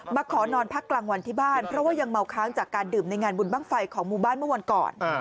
ขอนอนพักกลางวันที่บ้านเพราะว่ายังเมาค้างจากการดื่มในงานบุญบ้างไฟของหมู่บ้านเมื่อวันก่อน